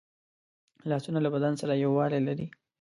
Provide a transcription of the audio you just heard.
لاسونه له بدن سره یووالی لري